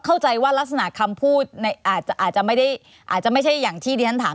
เข้าใจว่ารักษณะคำพูดอาจจะไม่ใช่อย่างที่ท่านถาม